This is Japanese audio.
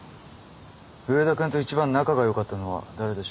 上田君と一番仲がよかったのは誰でしょうか？